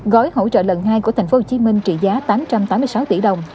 gói hỗ trợ lần hai của tp hcm trị giá tám trăm tám mươi sáu tỷ đồng